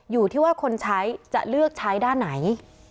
อยู่ที่ว่าคนใช้จะเลือกใช้ด้านไหน